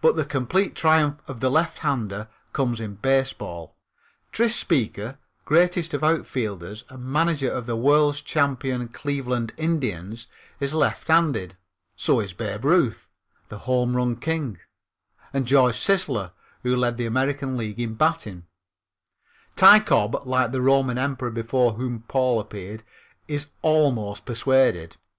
But the complete triumph of the lefthander comes in baseball. Tris Speaker, greatest of outfielders and manager of the world's champion Cleveland Indians, is lefthanded. So is Babe Ruth, the home run king, and George Sisler, who led the American League in batting. Ty Cobb, like the Roman emperor before whom Paul appeared, is almost persuaded.